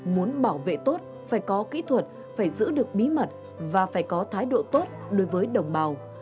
muốn bảo vệ tốt phải có kỹ thuật phải giữ được bí mật và phải có thái độ tốt đối với đồng bào